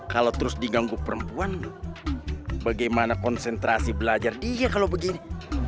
kalau terus diganggu perempuan bagaimana konsentrasi belajar iya kalau begini